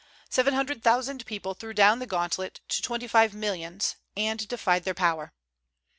Seven hundred thousand people threw down the gauntlet to twenty five millions, and defied their power.